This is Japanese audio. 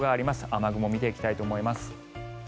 雨雲を見ていきたいと思います。